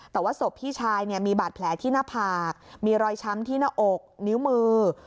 แต่ว่าศพพี่ชายมีบาดแผลที่หน้าผากมีรอยช้ำที่หน้าอกนิ้วมือ